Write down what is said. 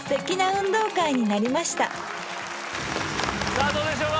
さあどうでしょうか？